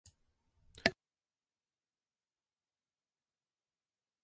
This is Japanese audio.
僕は君を愛してしまった